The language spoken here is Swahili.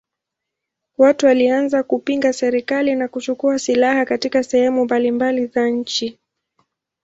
Watu walianza kupinga serikali na kuchukua silaha katika sehemu mbalimbali za nchi.